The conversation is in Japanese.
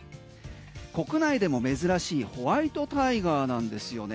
国内でも珍しいホワイトタイガーなんですよね。